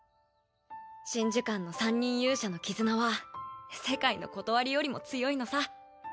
神樹館の三人勇者の絆は世界の理よりも強いのさ。